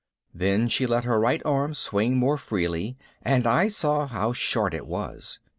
Then she let her right arm swing more freely and I saw how short it was.